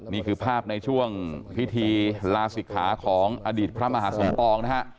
นี่คือภาพในช่วงพิธีลาศิกขาของอดีตพระมหาสมปองนะฮะ